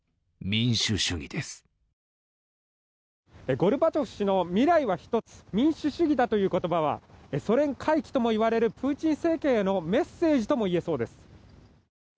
ゴルバチョフ氏の未来は１つ民主主義だという言葉はソ連回帰とも言われるプーチン政権へのメッセージとも言えそうです。